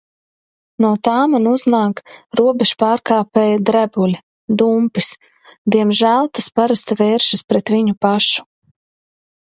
No tā man uznāk "robežpārkāpēja drebuļi". Dumpis. Diemžēl tas parasti vēršas pret viņu pašu.